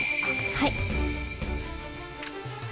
はい。